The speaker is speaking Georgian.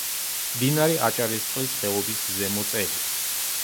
მდინარე აჭარისწყლის ხეობის ზემო წელი.